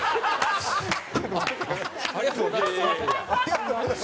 ありがとうございます。